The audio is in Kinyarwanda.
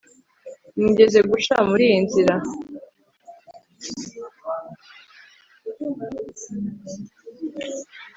mwigeze guca muri iyi nzira